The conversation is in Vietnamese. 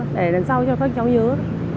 để lần sau cho các cháu nhớ